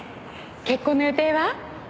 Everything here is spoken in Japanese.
結婚の予定は？